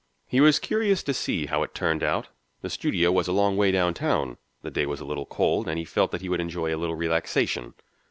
He was curious to see how it turned out; the studio was a long way downtown, the day was a little cold, and he felt that he would enjoy a little relaxation.